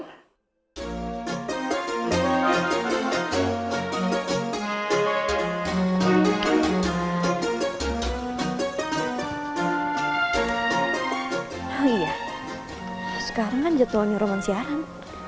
oh iya sekarang kan jadwalnya roman siaran